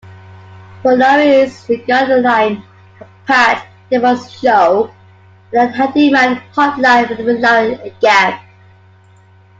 Fonari's Gardenline, The Pat Desmarais Show and The Handyman Hotline with Larry Egan.